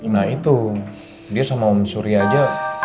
nah itu dia sama om suri aja